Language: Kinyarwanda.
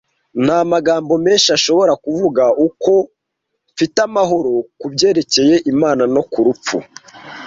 (Nta magambo menshi ashobora kuvuga uko mfite amahoro ku byerekeye Imana no ku rupfu.)